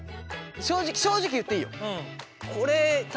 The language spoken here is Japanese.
正直正直言っていいよ。